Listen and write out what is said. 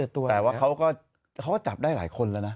แต่ว่าเขาก็จับได้หลายคนแล้วนะ